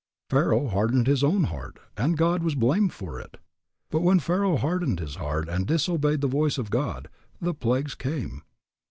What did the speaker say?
Pharaoh hardened his own heart and God was blamed for it. But when Pharaoh hardened his heart and disobeyed the voice of God, the plagues came.